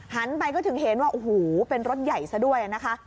หันไปก็ถึงเห็นว่าโอ้โหเป็นรถใหญ่ซะด้วยนะคะ